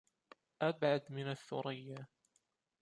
أبعد من الثريا